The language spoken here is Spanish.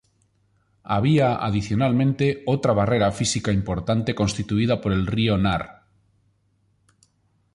Había adicionalmente otra barrera física importante constituida por el río Nar.